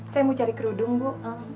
saya mau cari kerudung bu